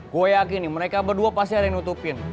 gue yakin nih mereka berdua pasti ada yang nutupin